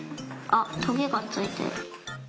あっトゲがついてる。